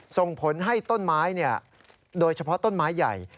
ส่งผลให้ต้นไม้โดยเฉพาะต้นไม้ใหญ่